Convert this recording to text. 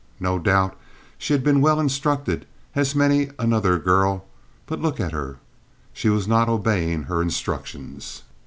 No doubt she had been as well instructed as many another girl, but look at her. She was not obeying her instructions.